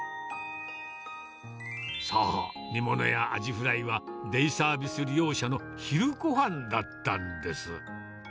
そう、煮物やアジフライは、デイサービス利用者の昼ごはんだったんです。